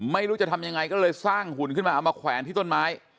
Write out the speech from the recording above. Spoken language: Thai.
ไม่รู้จะทำยังไงก็เลยสร้างหุ่นขึ้นมาเอามาแขวนที่ต้นไม้